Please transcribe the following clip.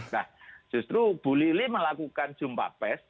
nah justru bu lili melakukan jumpa pes